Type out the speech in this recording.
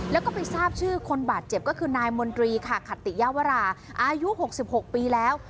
แล้วก็ไปทราบชื่อคนบาดเจ็บก็คือนายมนตรีค่ะขัตติยาวราอายุ๖๖ปีแล้ว